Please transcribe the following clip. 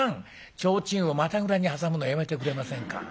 提灯を股ぐらに挟むのやめてくれませんか。